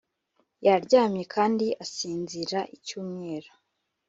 yaryamye kandi asinzira icyumweru